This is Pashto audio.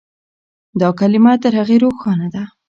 دا کلمه تر هغې روښانه ده.